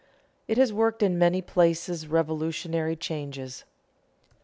It has worked in many places revolutionary changes.